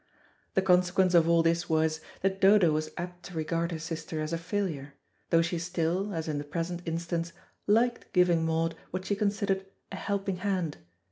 The consequence of all this was, that Dodo was apt to regard her sister as a failure, though she still, as in the present instance, liked giving Maud what she considered a helping hand.